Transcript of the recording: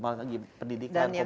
malah lagi pendidikan komunikasi